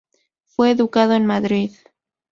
Fue educado en Madrid.